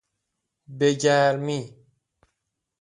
به گرمی